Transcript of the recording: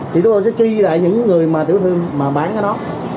thì chúng tôi sẽ ghi lại những người tiểu thương mà bán cái đó